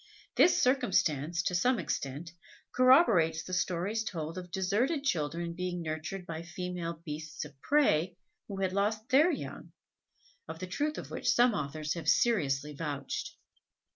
This circumstance, to some extent, corroborates the stories told of deserted children being nurtured by female beasts of prey who had lost their young, of the truth of which some authors have seriously vouched.